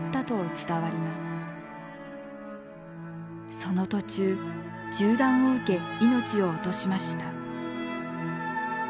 その途中銃弾を受け命を落としました。